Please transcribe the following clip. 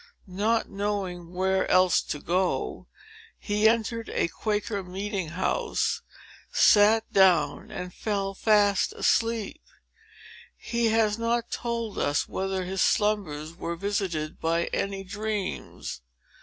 Not knowing where else to go, he entered a Quaker meeting house, sat down, and fell fast asleep. He has not told us whether his slumbers were visited by any dreams.